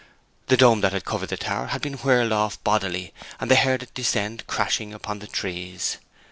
The dome that had covered the tower had been whirled off bodily; and they heard it descend crashing upon the trees.